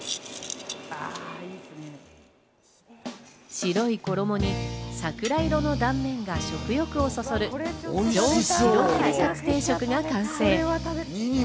白い衣に桜色の断面が食欲をそそる上白ヒレかつ定食が完成。